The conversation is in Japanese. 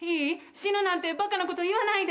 死ぬなんてバカな事言わないで。